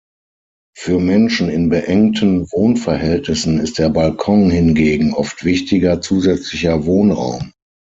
Für Menschen in beengten Wohnverhältnissen ist der Balkon hingegen oft wichtiger zusätzlicher Wohnraum.